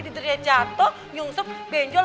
didriah jatuh nyungsep benjol